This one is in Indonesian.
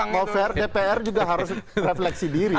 mau fair dpr juga harus refleksi diri